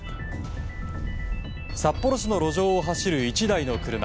札幌市の路上を走る１台の車。